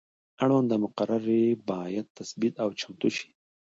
اړونده مقررې باید تثبیت او چمتو شي.